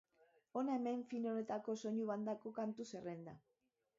Hona hemen film honetako soinu bandako kantu zerrenda.